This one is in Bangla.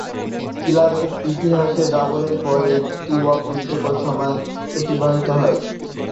ক্লাবের ইতিহাসে ডাবলের পর একটি অপ্রীতিকর সময় অতিবাহিত হয়।